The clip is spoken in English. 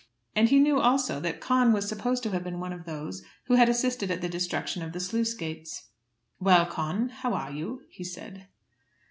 And he knew also that Con was supposed to have been one of those who had assisted at the destruction of the sluice gates. "Well, Con; how are you?" he said.